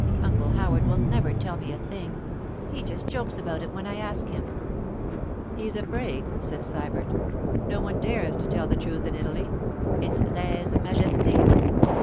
Uncle Howard will never tell me a thing; he just jokes about it when I ask him.' 'He's afraid,' said Sybert. 'No one dares to tell the truth in Italy; it's lèse majesté.